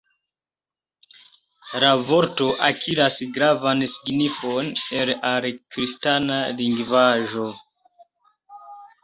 La vorto akiras gravan signifon el al kristana lingvaĵo.